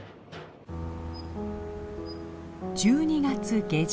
１２月下旬。